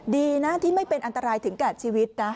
ดีนะที่ไม่เป็นอันตรายถึงแก่ชีวิตนะ